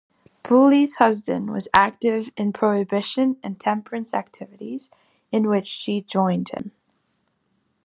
Boole's husband was active in prohibition and temperance activities, in which she joined him.